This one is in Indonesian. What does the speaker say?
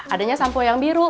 adanya sampo yang biru